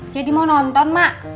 jadi mau nonton emak